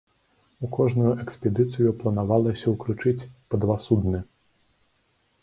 У кожную экспедыцыю планавалася ўключыць па два судны.